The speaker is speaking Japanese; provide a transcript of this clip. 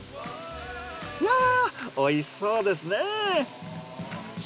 わぁおいしそうですね。